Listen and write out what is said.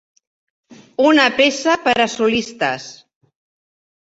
Una peça per a solistes.